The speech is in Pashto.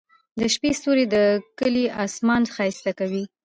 د شپې ستوري د کلي اسمان ښايسته کوي.